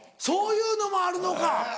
そういうのもあるのか。